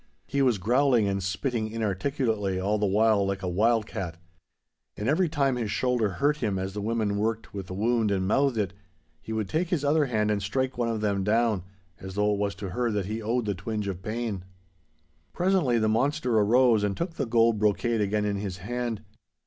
He was growling and spitting inarticulately all the while like a wild cat. And every time his shoulder hurt him as the women worked with the wound and mouthed it, he would take his other hand and strike one of them down, as though it was to her that he owed the twinge of pain. Presently the monster arose and took the gold brocade again in his hand.